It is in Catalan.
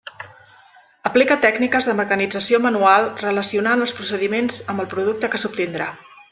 Aplica tècniques de mecanització manual, relacionant els procediments amb el producte que s'obtindrà.